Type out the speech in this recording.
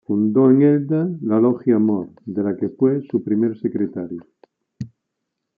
Fundó en Elda la Logia Amor, de la que fue su primer secretario.